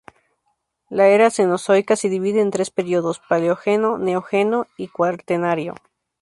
La era Cenozoica se divide en tres periodos: Paleógeno, Neógeno y Cuaternario.